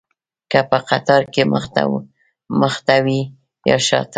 که په قطار کې مخته وي یا شاته.